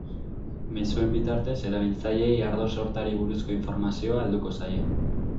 Mezuen bitartez, erabiltzaileei ardo sortari buruzko informazioa helduko zaie.